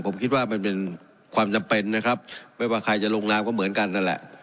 ผมคิดว่ามันเป็นความจำเป็นนะครับไม่ว่าใครจะลงนามก็เหมือนกันนั่นแหละ